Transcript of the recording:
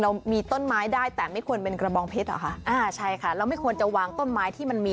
เรามีต้นไม้ได้แต่ไม่ควรเป็นกระบองเพชรเหรอคะอ่าใช่ค่ะเราไม่ควรจะวางต้นไม้ที่มันมี